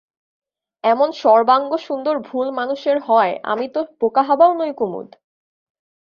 এমন সর্বাঙ্গসুন্দর ভুল মানুষের হয় আমি তো বোকাহাবাও নই কুমুদ!